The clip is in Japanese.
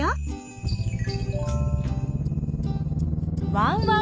ワンワン